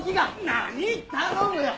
何⁉頼むよ！